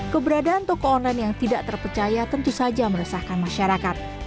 keberadaan toko online yang tidak terpercaya tentu saja meresahkan masyarakat